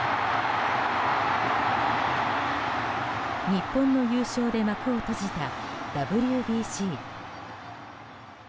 日本の優勝で幕を閉じたＷＢＣ。